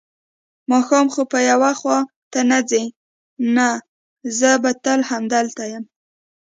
ماښام خو به یو خوا ته نه ځې؟ نه، زه به تل همدلته یم.